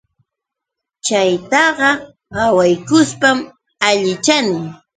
Chaytaqa qawaykushpam allichani.